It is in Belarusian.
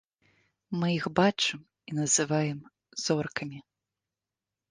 Мы іх бачым і называем зоркамі.